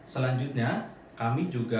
selanjutnya kami juga